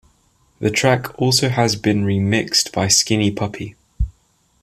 The track has also been remixed by Skinny Puppy.